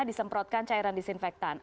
disemprotkan cairan disinfektan